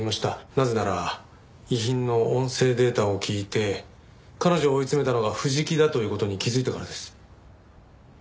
なぜなら遺品の音声データを聞いて彼女を追い詰めたのが藤木だという事に気づいたからです。